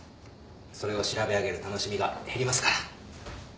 それを調べ上げる楽しみが減りますから。